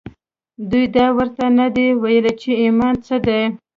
دوی دا ورته نه دي ویلي چې ایمان څه دی